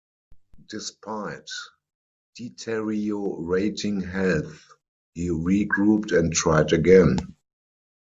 Despite deteriorating health, he regrouped and tried again.